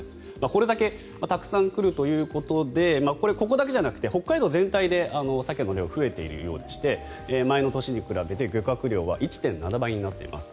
これだけたくさん来るということでこれ、ここだけじゃなくて北海道全体でサケの量が増えているようで前の年に比べて漁獲量は１．７倍になっています。